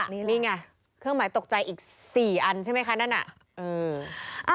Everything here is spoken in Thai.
นี่ไงเครื่องหมายตกใจอีก๔อันใช่ไหมคะนั่นน่ะ